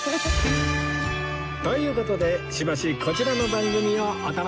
という事でしばしこちらの番組をお楽しみください